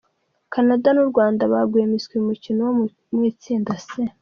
Canada n’u Rwanda baguye miswi mu mukino wo mu itsinda C.